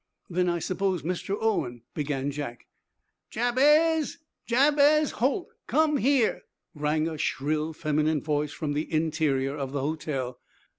"Then I suppose Mr. Owen " began Jack. "Ja a abez! Jabez Holt! Come here!" rang a shrill, feminine voice from the interior of the hotel.